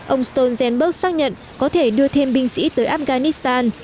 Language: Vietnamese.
ông stoltenberg xác nhận có thể đưa thêm binh sĩ tới afghanistan